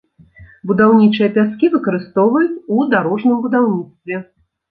Будаўнічыя пяскі выкарыстоўваюць у дарожным будаўніцтве.